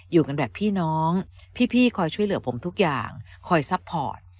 อยู่กันแบบพี่น้องพี่คอยช่วยเหลือผมทุกอย่างคอยซัพพอร์ต